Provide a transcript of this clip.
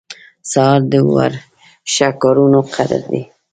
سهار د وړو ښه کارونو قدر دی.